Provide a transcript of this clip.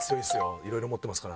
いろいろ持ってますから。